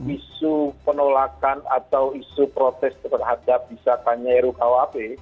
isu penolakan atau isu protes terhadap bisata nyairu rkuhp